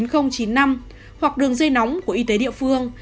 hoặc đường dây nóng của y tế địa phương